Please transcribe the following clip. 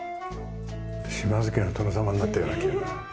島津家の殿様になったような気分。